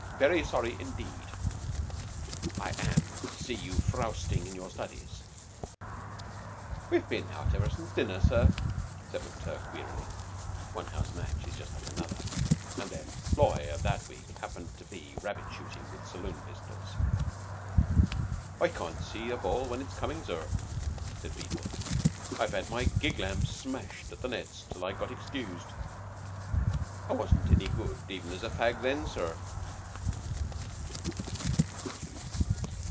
"Very sorry, indeed, I am to see you frowsting in your studies." "We've been out ever since dinner, sir," said. McTurk wearily. One house match is just like another, and their "ploy" of that week happened to be rabbit shooting with saloon pistols. "I can't see a ball when it's coming, sir," said Beetle. "I've had my gig lamps smashed at the Nets till I got excused. I wasn't any good even as a fag, then, sir."